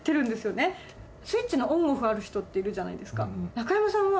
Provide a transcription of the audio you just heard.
中山さんは。